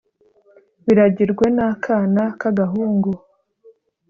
biragirwe n’akana k’agahungu.